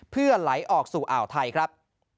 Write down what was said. เพื่อไหลออกสู่อ่าวไทยครับ